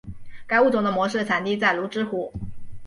该物种的模式产地在芦之湖。